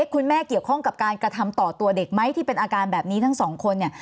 เกี่ยวข้องกับการกระทำต่อตัวเด็กไหมที่เป็นอาการแบบนี้ทั้งสองคนเนี่ย